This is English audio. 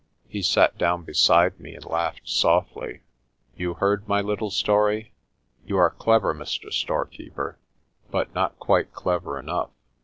He sat down beside me, and laughed softly. "You heard my little story? You are clever, Mr. Storekeeper, but not quite clever enough.